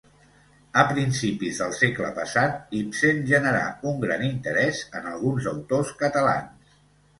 A principis del segle passat, Ibsen generà un gran interès en alguns autors catalans.